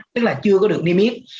tức là chưa có được niêm yếp